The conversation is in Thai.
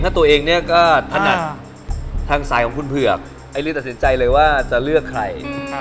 ถ้าตัวเองเนี่ยก็ถนัดทางสายของคุณเผือกไอ้เรื่องตัดสินใจเลยว่าจะเลือกใคร